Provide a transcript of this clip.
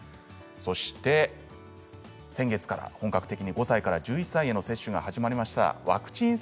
そして先月から本格的に５歳から１１歳のワクチンの接種が始まりました。